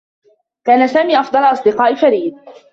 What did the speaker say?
كان سامي أفضل أصدقاء فريد.